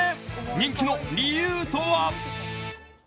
人気の理由とは。